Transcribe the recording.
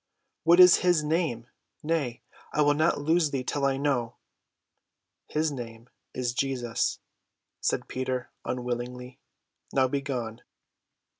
"What is his name? Nay, I will not loose thee till I know." "His name is Jesus," said Peter unwillingly. "Now begone."